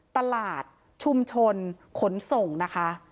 ตลาดชุมชนขนส่งนะคะ